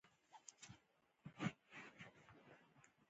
او د دوی خلکو ته سلام.